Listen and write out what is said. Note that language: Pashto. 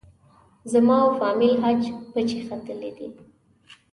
زما او فامیل حج پچې ختلې دي.